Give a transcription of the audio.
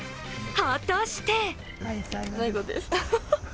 果たして？